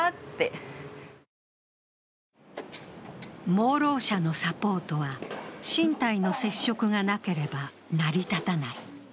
盲ろう者のサポートは身体の接触がなければ成り立たない。